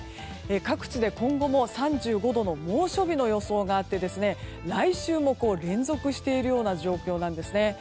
各地で今後も３５度の猛暑日の予想があって来週も連続しているような状況なんですね。